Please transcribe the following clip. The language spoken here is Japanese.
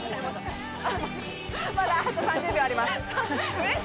まだあと３０秒あります。